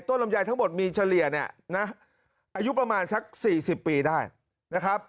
ต้นรำยายทั้งหมดมีเฉลี่ยเนี้ยนะอายุประมาณสักสี่สิบปีได้นะครับ